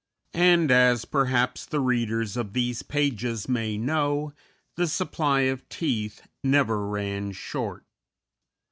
And, as perhaps the readers of these pages may know, the supply of teeth never ran short.